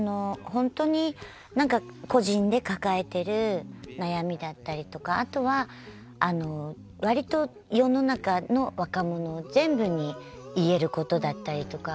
本当に個人で抱えている悩みだったりとかあとは、割と、世の中の若者の全部にいえることだったりとか。